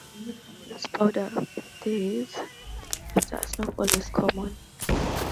Loose powder for days after a snowfall is common.